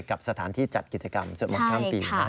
กับสถานที่จัดกิจกรรมสวดมนต์ข้ามปี